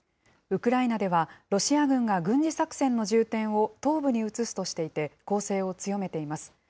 ウクライナでは、ロシア軍が軍事作戦の重点を東部に移すとしていて、攻勢を強めています。